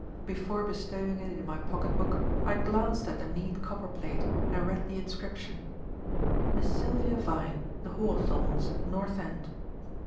Before bestowing it in my pocket book, I glanced at the neat copper plate and read the inscription: "Miss Sylvia Vyne. The Hawthorns. North End."